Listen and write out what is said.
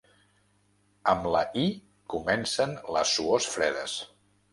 Amb la i comencen les suors fredes.